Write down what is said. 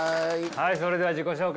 はいそれでは自己紹介